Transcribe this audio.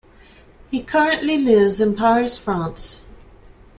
He currently lives in Paris, France.